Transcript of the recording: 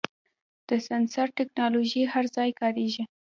د سنسر ټکنالوژي هر ځای کارېږي.